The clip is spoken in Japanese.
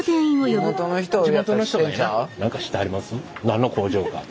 何の工場か。